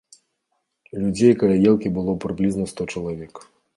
Людзей каля елкі было прыблізна сто чалавек.